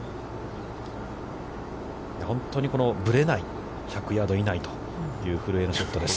本当にこのぶれない１００ヤード以内というという、古江のショットです。